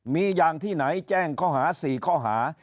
มีอย่างที่ไหนแจ้งข้อหา๔ข้อหา